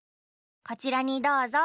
こちらにどうぞ。